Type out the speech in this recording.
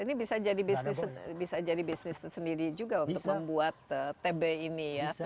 ini bisa jadi bisnis bisa jadi bisnis tersendiri juga untuk membuat tb ini ya